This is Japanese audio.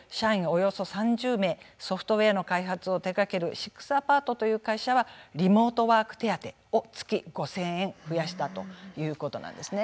およそ３０名ソフトウエアの開発を手がけるシックス・アパートという会社はリモートワーク手当を月５０００円増やしたということなんですね。